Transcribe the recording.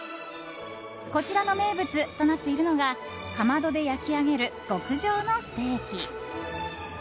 こちらの名物となっているのがかまどで焼き上げる極上のステーキ。